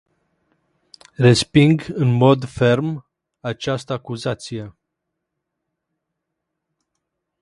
Resping în mod ferm această acuzație.